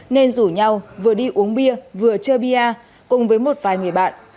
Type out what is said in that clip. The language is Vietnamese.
nên rủ nhau vừa đi uống bia vừa chơi bia cùng với một vài người bạn